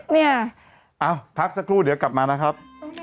เนี่ยเอ้าพักสักครู่เดี๋ยวกลับมานะครับ